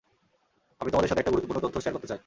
আমি তোমাদের সাথে একটা গুরুত্বপূর্ণ তথ্য শেয়ার করতে চাই।